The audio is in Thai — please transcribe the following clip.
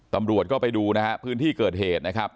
ตำรวจก็ไปดูนะฮะพื้นที่เกิดเหตุนะครับ